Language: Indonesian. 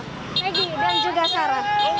pegi dan juga sarah